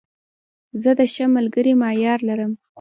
زه د ښه ملګري معیار لرم.